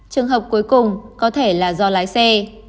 trường hợp cuối cùng có thể là do lái xe